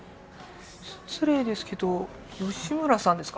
失礼ですけど吉村さんですか？